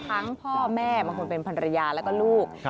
พ่อแม่บางคนเป็นภรรยาแล้วก็ลูก